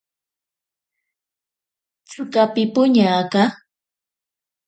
Tsika pipoñaka.